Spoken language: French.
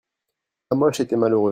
Hamoche etait malheureux.